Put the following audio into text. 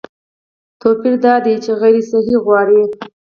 توپیر دا دی چې غیر صحي غوراوي